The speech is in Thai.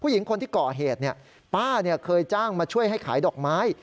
วันที่เกาะเหตุป้าเคยจ้างมาช่วยให้ขายดอกไม้